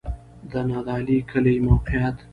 د نادعلي کلی موقعیت